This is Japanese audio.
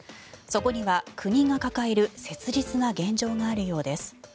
そこには国が抱える切実な現状があるようです。